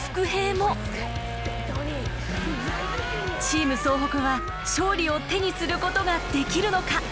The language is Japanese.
チーム総北は勝利を手にすることができるのか？